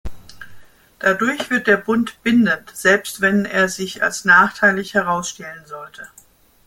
Dadurch wird der Bund bindend, selbst wenn er sich als nachteilig herausstellen sollte.